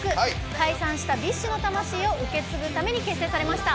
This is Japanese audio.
解散したＢｉＳＨの魂を受け継ぐために結成されました。